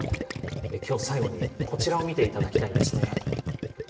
今日最後にこちらを見て頂きたいんですね。